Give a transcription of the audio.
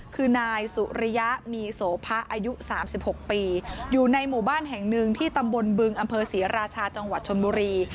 คือนายสุริยะมีโสพะอายุ๓๖ปีอยู่ในหมู่บ้านแห่งหนึ่งที่ตำบลบึงอำเภอศรีราชาจังหวัดชนบุรี